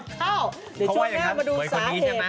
เดี๋ยวช่วงหน้ามาดูสาเหตุ